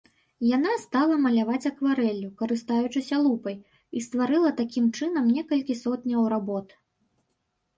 Яна стала маляваць акварэллю, карыстаючыся лупай, і стварыла такім чынам некалькі сотняў работ.